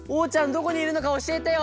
どこにいるのかおしえてよ！